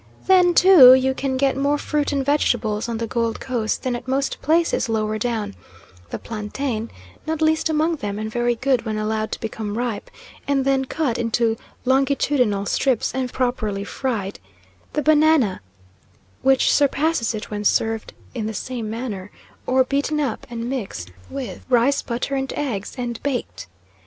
Then, too, you can get more fruit and vegetables on the Gold Coast than at most places lower down: the plantain, not least among them and very good when allowed to become ripe, and then cut into longitudinal strips, and properly fried; the banana, which surpasses it when served in the same manner, or beaten up and mixed with rice, butter, and eggs, and baked.